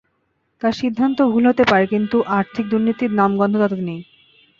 তাঁর সিদ্ধান্ত ভুল হতে পারে, কিন্তু আর্থিক দুর্নীতির নামগন্ধ তাতে নেই।